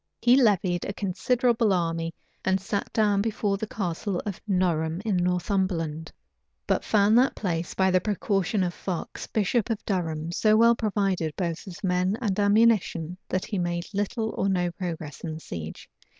He levied a considerable army, and sat down before the Castle of Norham, in Northumberland; but found that place, by the precaution of Fox, bishop of Durham, so well provided both with men and ammunition, that he made little or no progress in the siege.